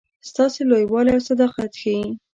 ستاسي لوی والی او صداقت ښيي.